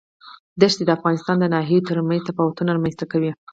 دښتې د افغانستان د ناحیو ترمنځ تفاوتونه رامنځ ته کوي.